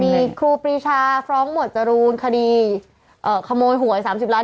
มีครูปรีชาฟ้องหมวดจรูนคดีขโมยหวย๓๐ล้าน